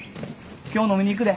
今日飲みに行くで。